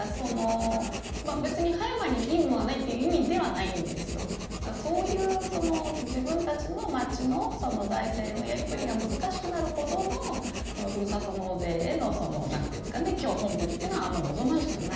葉山にいいものがないという意味ではないんですけど自分たちの町の財政のやりくりが難しくなるほどのふるさと納税への狂奔ぶりはあんまり望ましくない。